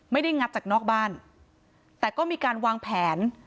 งัดจากนอกบ้านแต่ก็มีการวางแผน